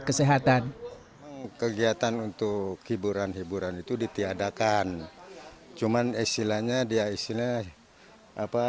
kesehatan kegiatan untuk hiburan hiburan itu ditiadakan cuman istilahnya dia istilahnya apa